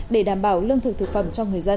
để đảm bảo lương thực thực phẩm cho người dân